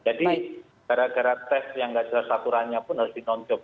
jadi gara gara tes yang tidak jelas aturannya pun harus dinonjokkan